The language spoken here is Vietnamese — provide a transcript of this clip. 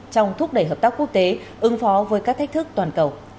trong thúc đẩy hợp tác quốc tế ứng phó với các thách thức toàn cầu